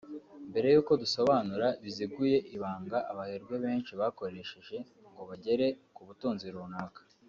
‘mbere y’ uko dusobanura biziguye ibanga abaherwe benshi bakoresheje ngo bagere ku butunzi runaka